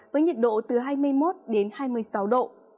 với nhiệt độ từ hai mươi một đến hai mươi sáu độ